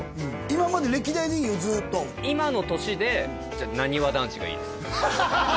今まで歴代でいいよずっと今の年でじゃあなにわ男子がいいです